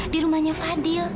di rumahnya fadil